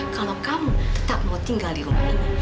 kalau kamu tetap mau tinggal di rumah ini